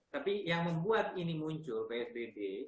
tapi yang membuat ini muncul psbb